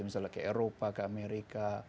misalnya ke eropa ke amerika